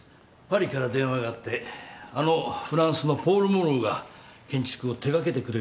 パリから電話があってあのフランスのポール・モローが建築を手掛けてくれることになった。